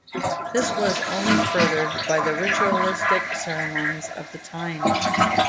This was only furthered by the ritualistic ceremonies of the time.